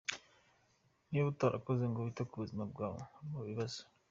Niba utarakoze ngo wite ku buzima bwawe, uri mu bibazo.